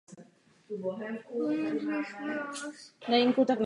Vedle toho je v obci barokní kaple svatého Jana Nepomuckého.